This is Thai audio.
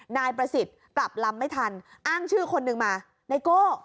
นายประสิทธิ์กลับลำไม่ทันอ้างชื่อคนหนึ่งมาไนโก้